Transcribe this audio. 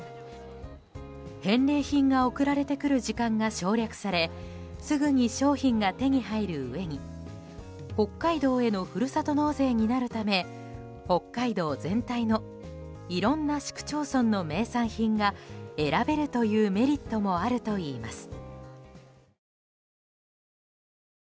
返礼品が送られてくる時間が省略されすぐに商品が手に入るうえに北海道へのふるさと納税になるため北海道全体のいろんな市区町村の名産品が選べるというメリットもあるといいます。